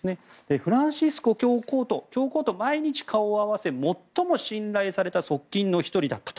フランシスコ教皇と毎日顔を合わせ最も信頼された側近の１人だったと。